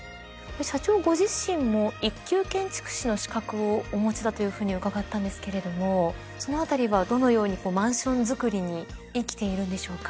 社長ご自身も一級建築士の資格をお持ちだというふうに伺ったんですけれどもその辺りはどのようにマンションづくりに生きているんでしょうか？